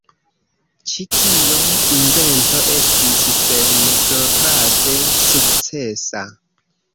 Ĉi tio invento estis senprokraste sukcesa.